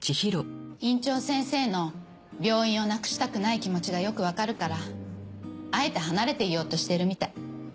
院長先生の病院をなくしたくない気持ちがよくわかるからあえて離れていようとしてるみたい。